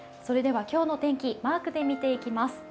今日の天気、マークで見ていきます